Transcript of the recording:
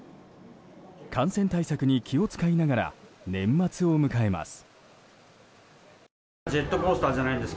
感染対策に気を使いながら年末を迎えます。